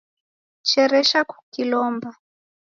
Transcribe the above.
Cheresha kukilomba